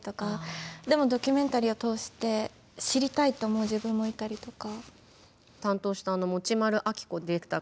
でもドキュメンタリーを通して知りたいと思う自分もいたりとか。